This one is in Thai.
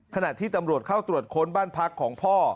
ขณะที่ตำรวจเข้าตรวจค้นบ้านพักของพ่อ